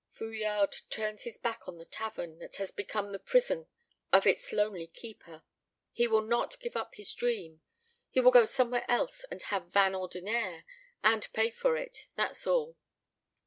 Fouillade turns his back on the tavern that has become the prison of its lonely keeper. He will not give up his dream. He will go somewhere else and have vin ordinaire, and pay for it, that's all.